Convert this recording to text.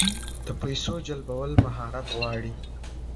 د پیسو جلبول مهارت غواړي.